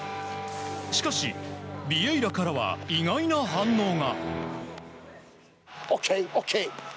しかし、ビエイラからは意外な反応が。